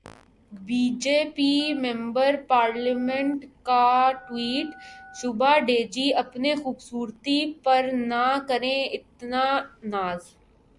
be J P member parliament کا tweet, Shobha De ji, اپنی خوبصورتی پر نہ کریں اتنا ناز